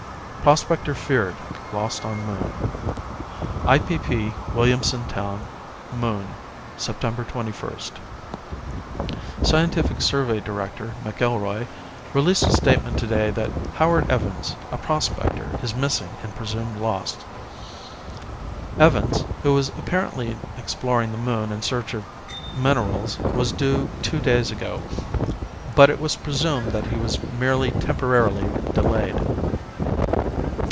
PROSPECTOR FEARED LOST ON MOON IPP Williamson Town, Moon, Sept. 21st. Scientific survey director McIlroy released a statement today that Howard Evans, a prospector is missing and presumed lost. Evans, who was apparently exploring the Moon in search of minerals was due two days ago, but it was presumed that he was merely temporarily delayed.